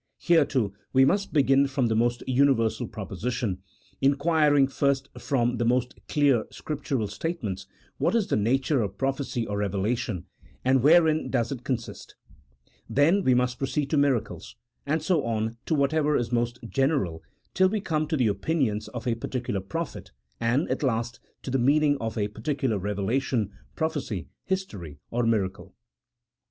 Here, too, we must begin from the most universal proposition, inquiring first from the most clear Scriptural statements what is the nature of prophecy or revelation, and wherein does it consist ; then we must proceed to miracles, and so on to whatever is most general till we come to the opinions of a particular prophet, and, at last, to the meaning of a particular revelation, prophecy, history, or miracle.